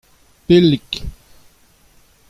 Pellik.